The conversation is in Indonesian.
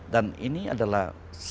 dan ini adalah